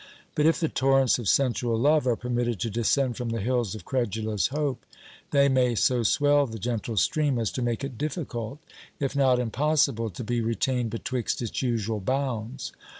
But if the torrents of sensual love are permitted to descend from the hills of credulous hope, they may so swell the gentle stream, as to make it difficult, if not impossible, to be retained betwixt its usual bounds.